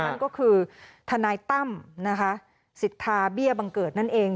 นั่นก็คือทนายตั้มนะคะสิทธาเบี้ยบังเกิดนั่นเอง